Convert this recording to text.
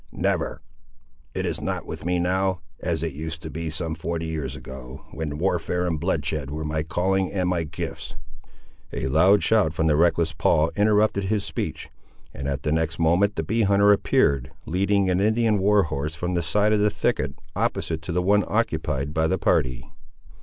"Never. It is not with me now, as it used to be some forty years ago, when warfare and bloodshed were my calling and my gifts!" A loud shout from the reckless Paul interrupted his speech, and at the next moment the bee hunter appeared, leading an Indian war horse from the side of the thicket opposite to the one occupied by the party.